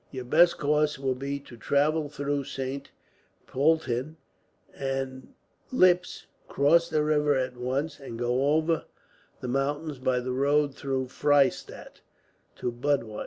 "Your best course will be to travel through Saint Poelten and Ips, cross the river at once, and go over the mountains by the road through Freystadt to Budweis.